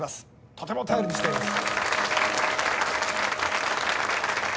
とても頼りにしています。